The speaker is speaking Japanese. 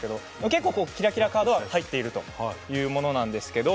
結構キラキラカードは入っているというものなんです。